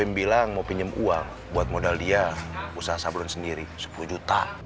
yang bilang mau pinjam uang buat modal dia usaha sablon sendiri sepuluh juta